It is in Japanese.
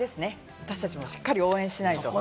私達もしっかり応援しないと。